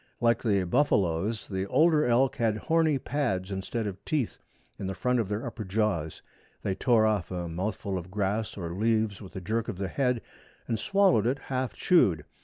Like the buffaloes the older elk had horny pads instead of teeth in the front of their upper jaws. They tore off a mouthful of grass or leaves with a jerk of the head and swallowed it half chewed.